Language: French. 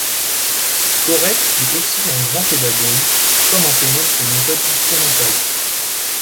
Corrette fut aussi un grand pédagogue, comme en témoignent ses méthodes instrumentales.